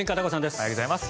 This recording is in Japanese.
おはようございます。